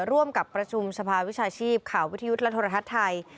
ร่วมกับประชุมสภาวิชาชีพข่าววิทยุทธ์และโทรทัศน์ไทย